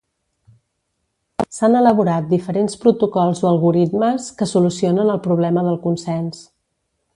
S'han elaborat diferents protocols o algoritmes que solucionen el problema del consens.